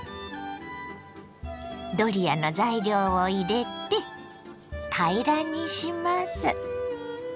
ドリアの材料を入れて平らにします。